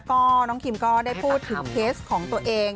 ก็น้องคิมก็ได้พูดถึงเคสของตัวเอง